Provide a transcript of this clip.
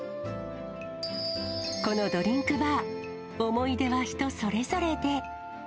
このドリンクバー、思い出は人それぞれで。